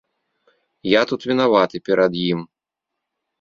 Я тут вінаваты перад ім.